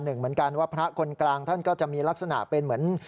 เหมือนกันว่าพระคนกลางท่านก็จะมีลักษณะเป็นเหมือน